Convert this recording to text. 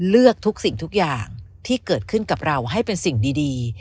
เลือกทุกสิ่งทุกอย่างที่เกิดขึ้นกับเราให้เป็นสิ่งดี